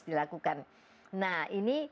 dilakukan nah ini